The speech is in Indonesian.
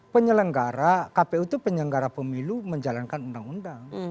penyelenggara kpu itu penyelenggara pemilu menjalankan undang undang